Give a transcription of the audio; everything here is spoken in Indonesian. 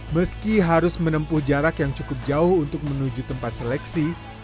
meski harus menempuh jarak yang cukup jauh untuk menuju tempat seleksi